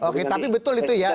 oke tapi betul itu ya